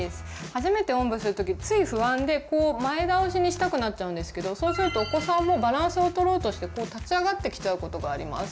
初めておんぶする時つい不安でこう前倒しにしたくなっちゃうんですけどそうするとお子さんもバランスを取ろうとして立ち上がってきちゃうことがあります。